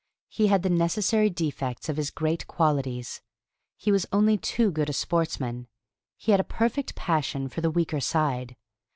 He had the necessary defects of his great qualities. He was only too good a sportsman. He had a perfect passion for the weaker side.